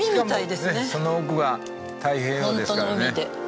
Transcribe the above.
しかもその奥が太平洋ですからね。